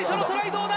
どうだ？